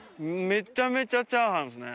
めちゃめちゃチャーハンですね。